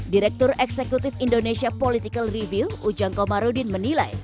direktur eksekutif indonesia political review ujang komarudin menilai